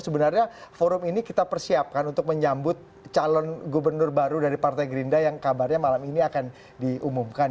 sebenarnya forum ini kita persiapkan untuk menyambut calon gubernur baru dari partai gerinda yang kabarnya malam ini akan diumumkan